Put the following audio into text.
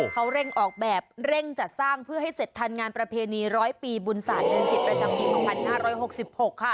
เขาเร่งออกแบบเร่งจัดสร้างเพื่อให้เสร็จทันงานประเพณีร้อยปีบุญศาสตร์เดือน๑๐ประจำปี๒๕๖๖ค่ะ